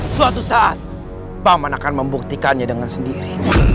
suatu saat paman akan membuktikannya dengan sendiri